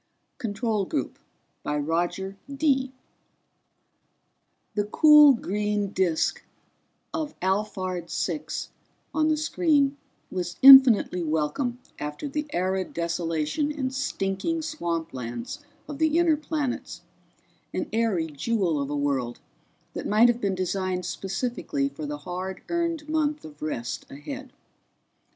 _ CONTROL GROUP By ROGER DEE The cool green disk of Alphard Six on the screen was infinitely welcome after the arid desolation and stinking swamplands of the inner planets, an airy jewel of a world that might have been designed specifically for the hard earned month of rest ahead.